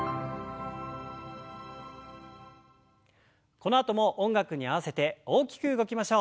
このあとも音楽に合わせて大きく動きましょう。